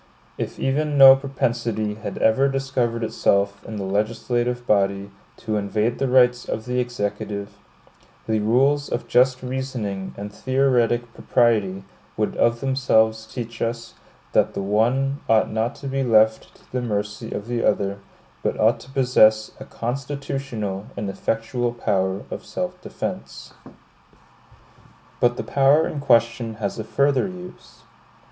If even no propensity had ever discovered itself in the legislative body to invade the rights of the Executive, the rules of just reasoning and theoretic propriety would of themselves teach us, that the one ought not to be left to the mercy of the other, but ought to possess a constitutional and effectual power of self defense. But the power in question has a further use.